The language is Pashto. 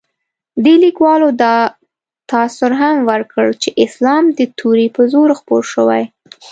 دې لیکوالو دا تاثر هم ورکړ چې اسلام د تورې په زور خپور شوی.